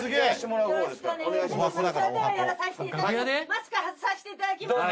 マスク外させて頂きます。